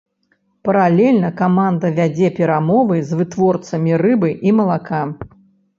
Паралельна каманда вядзе перамовы з вытворцамі рыбы і малака.